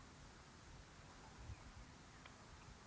asal sekolah sma negeri empat belas